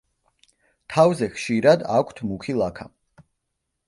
თავზე ხშირად აქვთ მუქი ლაქა.